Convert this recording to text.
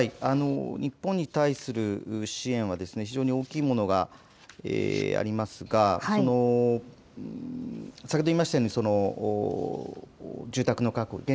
日本に対する支援は非常に大きいものがありますが先ほど言いましたように住宅の確保